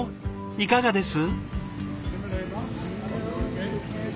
いかがです？